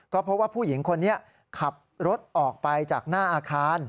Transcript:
ก็เพราะว่าผู้หญิงคนนี้ขับรถออกไปจากหน้าอาคาร